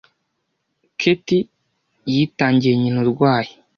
Cathy yitangiye nyina urwaye.